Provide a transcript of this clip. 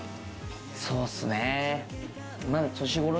そうっすね。